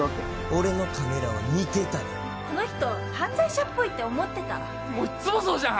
俺のカメラは見てたでこの人犯罪者っぽいって思ってたもういっつもそうじゃん！